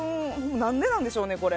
何でなんでしょうかね。